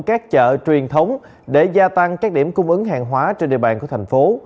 các chợ truyền thống để gia tăng các điểm cung ứng hàng hóa trên địa bàn tp hcm